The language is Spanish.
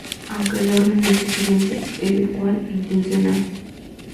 Aunque el orden es diferente, el cual intencional.